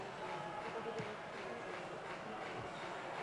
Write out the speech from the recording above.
মোটা গদিওআলা সোফার সামনে প্রস্তুত থাকে পশমের চটিজোড়া।